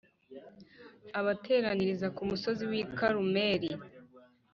abateraniriza ku musozi w’i Karumeli